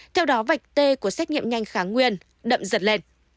theo đó vạch tê của xét nghiệm nhanh kháng nguyên đậm giật lên